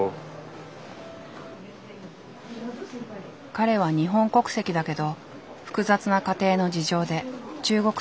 彼は日本国籍だけど複雑な家庭の事情で中国育ち。